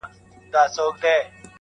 د لنډغرۍ پر وړاندې